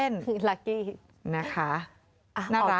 นะคะน่ารัก